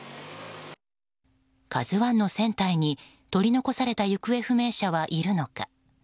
「ＫＡＺＵ１」の船体に取り残された行方不明者はいるのか。